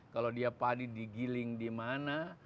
kalau dia padi digiling di mana